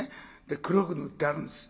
で黒く塗ってあるんです。